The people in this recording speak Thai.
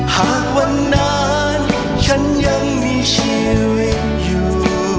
หากวันนั้นฉันยังมีชีวิตอยู่